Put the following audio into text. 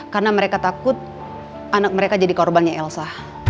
karena mereka takut anak mereka jadi korbannya elsa